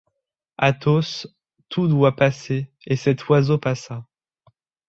Athos, tout doit passer, et cet oiseau passa.